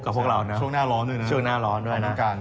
ของช่วงหน้าร้อนนะ